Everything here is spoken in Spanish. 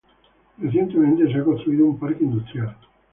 Recientemente se ha construido un parque industrial.